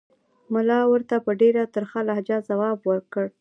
ملا ورته په ډېره ترخه لهجه ځواب ورکړ.